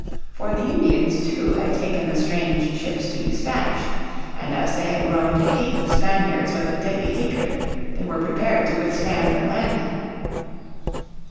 For the Indians, too, had taken the strange ships to be Spanish. And as they had grown to hate the Spaniards with a deadly hatred they were prepared to withstand their landing.